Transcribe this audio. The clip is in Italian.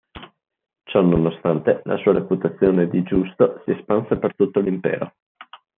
Ciononostante la sua reputazione di giusto si espanse per tutto l'impero.